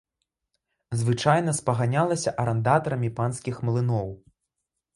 Звычайна спаганялася арандатарамі панскіх млыноў.